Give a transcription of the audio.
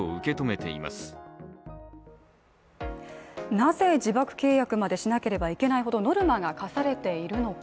なぜ自爆契約までしなければいけないほどノルマが課されているのか。